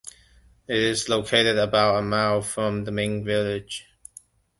It is located about a mile from the main village.